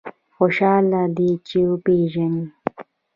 خوشاله دی چې وپېژني.